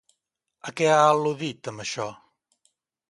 A què ha al·ludit amb això?